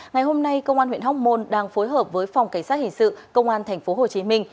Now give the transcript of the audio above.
ngày hôm nay công an huyện hóc môn đang phối hợp với phòng cảnh sát hình sự công an thành phố hồ chí minh